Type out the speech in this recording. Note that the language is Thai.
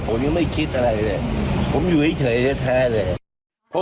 ผมยังไม่คิดอะไรแหละผมอยู่ให้เฉยแท้แหละ